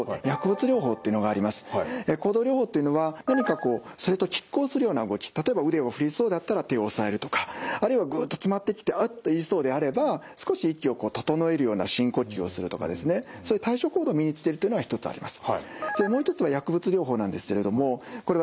行動療法というのは何かこうそれと拮抗するような動き例えば腕を振りそうだったら手を押さえるとかあるいはグッと詰まってきて「うっ」と言いそうであれば少し息を整えるような深呼吸をするとかですねそういう対処行動を身につけるというのが一つあります。